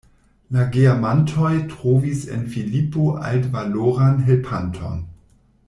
La geamantoj trovis en Filipo altvaloran helpanton.